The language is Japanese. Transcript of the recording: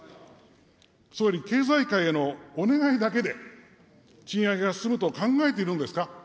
総理、経済界へのお願いだけで、賃上げが進むと考えているのですか。